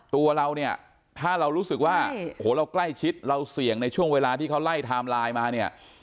ตัวเราเนี่ยถ้าเรารู้สึกว่าโอ้โหเราใกล้ชิดเราเสี่ยงในช่วงเวลาที่เขาไล่ไทม์ไลน์มาเนี่ย